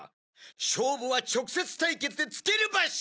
勝負は直接対決でつけるバシ！